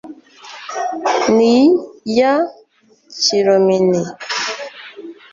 N'iya Kilomini